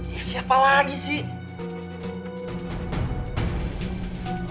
ya siapa lagi sih